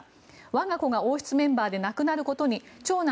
我が子が王室メンバーでなくなることに長男